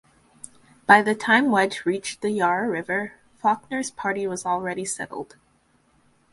By the time Wedge reached the Yarra River, Fawkner's party was already settled.